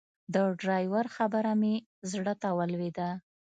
د ډرایور خبره مې زړه ته ولوېده.